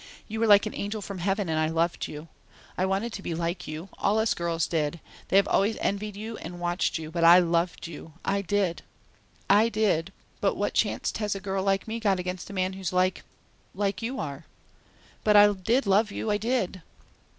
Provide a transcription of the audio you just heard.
You were like an angel from Heaven and I loved you. I wanted to be like you. All us girls did. They have always envied you and watched you, but I loved you. I did! I did, but what chanct has a girl like me got against a man who's like like you are? But I did love you; I did!"